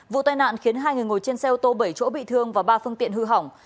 vụ tai nạn khiến hai người ngồi trên xe ô tô bảy chỗ bị thương và ba phương tiện hư hỏng